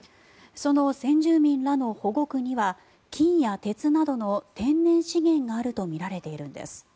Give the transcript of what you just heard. その先住民らの保護区には金や鉄などの天然資源があるとみられているんです。